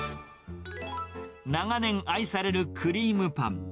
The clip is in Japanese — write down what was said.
長年愛されるクリームパン。